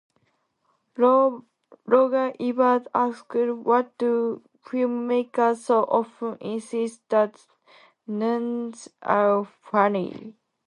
Roger Ebert asked, Why do filmmakers so often insist that nuns are funny?